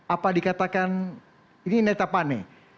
apa dikatakan ini netta pane